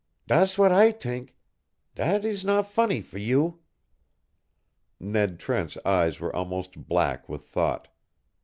Dat's w'at I t'ink. Dat ees not fonny for you." Ned Trent's eyes were almost black with thought.